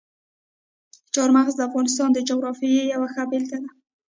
چار مغز د افغانستان د جغرافیې یوه ښه بېلګه ده.